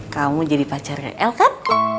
kamu jadi pacarnya el kan